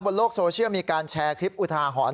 โลกโซเชียลมีการแชร์คลิปอุทาหรณ์